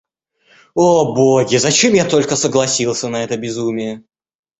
О боги, зачем я только согласился на это безумие!